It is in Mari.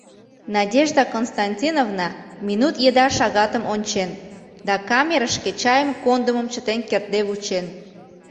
Надежда Константиновна минут еда шагатым ончен да камерышке чайым кондымым чытен кертде вучен.